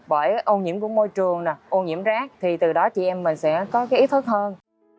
bởi ô nhiễm của môi trường ô nhiễm rác thì từ đó chị em mình sẽ có cái ý thức hơn